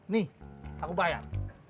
nih aku bayar